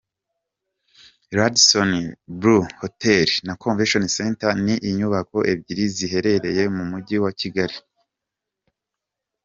Radisson Blu Hotel na Convention Center ni inyubako ebyiri ziherereye mu mugi wa Kigali.